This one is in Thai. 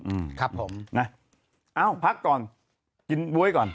เอ้าพักก่อนกินบุ๊ยก่อน